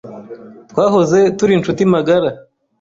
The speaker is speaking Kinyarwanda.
Twahoze turi inshuti magara.